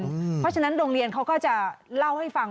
เพราะฉะนั้นโรงเรียนเขาก็จะเล่าให้ฟัง